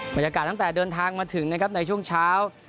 บรรยากาศตั้งแต่เดินทางมาถึงนะครับในช่วงเช้า